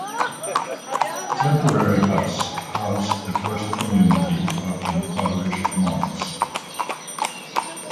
Temporary huts housed the first community of impoverished monks.